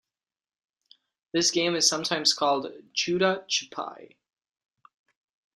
This game is sometimes called "joota chupai".